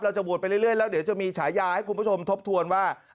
จะบวชไปเรื่อยแล้วเดี๋ยวจะมีฉายาให้คุณผู้ชมทบทวนว่า